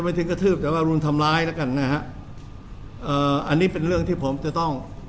ถึงกระทืบแต่ว่ารุนทำร้ายแล้วกันนะฮะเอ่ออันนี้เป็นเรื่องที่ผมจะต้อง